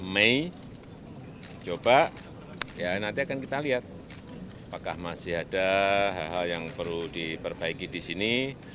mei coba ya nanti akan kita lihat apakah masih ada hal hal yang perlu diperbaiki di sini